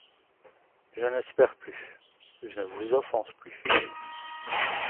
Je n’espère plus … je ne vous offense plus.